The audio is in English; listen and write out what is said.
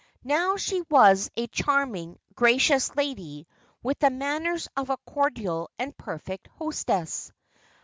Now she was a charming, gracious lady with the manners of a cordial and perfect hostess.